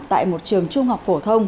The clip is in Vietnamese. tại một trường trung học phổ thông